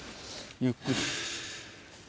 ゆっくり。